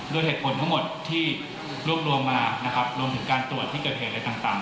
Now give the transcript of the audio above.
ด้วยเหตุผลทั้งหมดที่รวบรวมมานะครับรวมถึงการตรวจที่เกิดเหตุอะไรต่าง